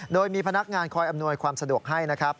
โดยมีพนักงานคอยอำนวยความสะดวกให้นะครับ